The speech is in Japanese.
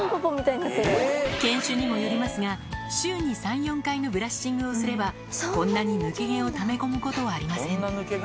犬種にもよりますが週に３４回のブラッシングをすればこんなに抜け毛をため込むことはありません